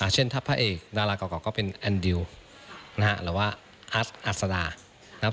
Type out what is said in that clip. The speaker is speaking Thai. เช่นท่าพ่อเอกดาราก่อก่อก็เป็นแอนเดิวหรือว่าอัศจรรย์